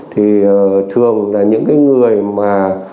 thì thường là những cái người mà